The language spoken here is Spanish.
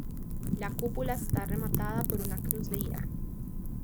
La cúpula está rematada por una cruz de hierro.